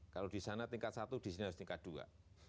kalau di sana tingkat satu di sini harus tingkat dua